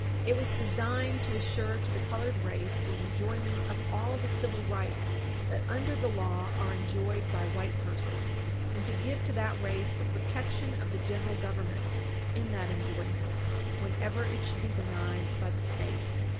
It was designed to assure to the colored race the enjoyment of all the civil rights that, under the law, are enjoyed by white persons, and to give to that race the protection of the general government in that enjoyment whenever it should be denied by the States.